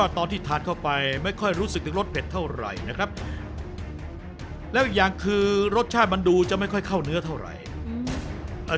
ตอนที่ทานเข้าไปไม่ค่อยรู้สึกถึงรสเผ็ดเท่าไหร่นะครับแล้วอีกอย่างคือรสชาติมันดูจะไม่ค่อยเข้าเนื้อเท่าไหร่